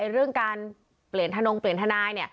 เรื่องการเปลี่ยนทานงเปลี่ยนทนาย